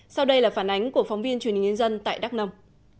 sau đây là phản ánh của phóng viên truyền hình nhân dân tại đắk nông